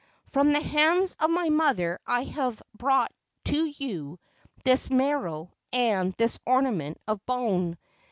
From the hands of my mother I have brought to you this maro and this ornament of bone.